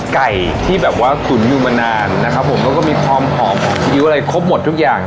ไก่ที่แบบว่าตุ๋นอยู่มานานนะครับผมแล้วก็มีความหอมของคิ้วอะไรครบหมดทุกอย่าง